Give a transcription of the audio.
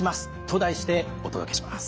と題してお届けします。